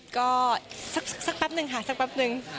ก็สักแป๊บนึงค่ะสักแป๊บนึง